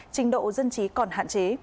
trình độ dân chí còn hạn chế